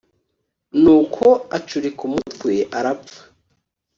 nuko acurika umutwe arapfa